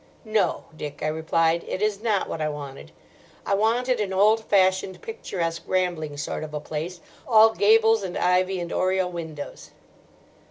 "No, Dick," I replied, "it is not what I wanted. I wanted an old fashioned, picturesque, rambling sort of a place, all gables and ivy and oriel windows."